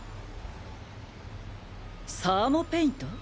サーモペイント？